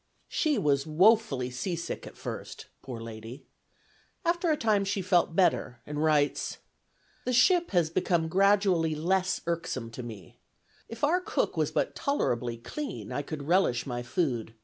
She was woefully seasick at first, poor lady. After a time she felt better and writes: "The ship has gradually become less irksome to me. If our cook was but tolerably clean, I could relish my food.